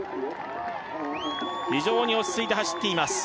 非常に落ち着いて走っています